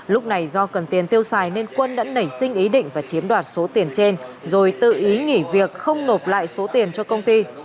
lúc này do cần tiền tiêu xài nên quân đã nảy sinh ý định và chiếm đoạt số tiền trên rồi tự ý nghỉ việc không nộp lại số tiền cho công ty